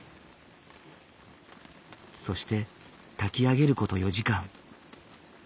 そして炊き上げる事４時間。